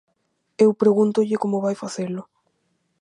Eu pregúntolle como vai facelo.